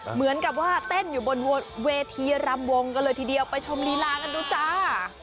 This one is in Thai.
เหมือนกับว่าเต้นอยู่บนเวทีรำวงกันเลยทีเดียวไปชมลีลากันดูจ้า